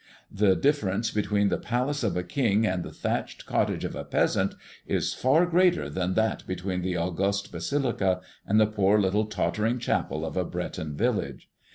The difference between the palace of a king and the thatched cottage of a peasant is far greater than that between the august basilica and the poor little tottering chapel of a Breton village.